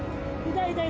痛い痛い！